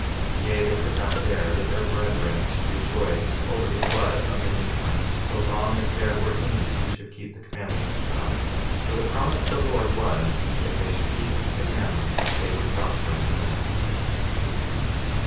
48:25 Yea, they could not bear that their brethren should rejoice over the blood of the Nephites, so long as there were any who should keep the commandments of God, for the promise of the Lord was, if they should keep his commandments they should prosper in the land.